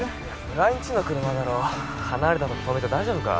村井んちの車だろ離れたとこ止めて大丈夫か？